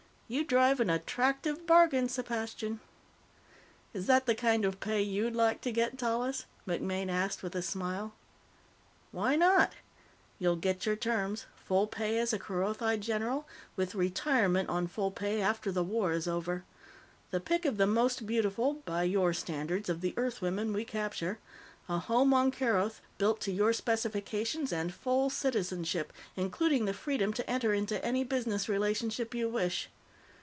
You drive an attractive bargain, Sepastian." "Is that the kind of pay you'd like to get, Tallis?" MacMaine asked with a smile. "Why not? You'll get your terms: full pay as a Kerothi general, with retirement on full pay after the war is over. The pick of the most beautiful by your standards of the Earthwomen we capture. A home on Keroth, built to your specifications, and full citizenship, including the freedom to enter into any business relationships you wish.